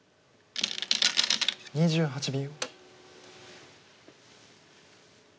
２８秒。